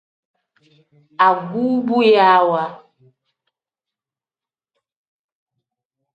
Agubuyaawa.